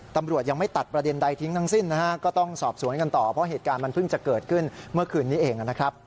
ตำรวจยังไม่ตัดประเด็นใดทิ้งทั้งสิ้นนะฮะก็ต้องสอบสวนกันต่อเพราะเหตุการณ์มันเพิ่งจะเกิดขึ้นเมื่อคืนนี้เองนะครับ